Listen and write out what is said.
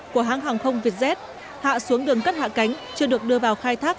của hãng hàng không vietjet hạ xuống đường cất hạ cánh chưa được đưa vào khai thác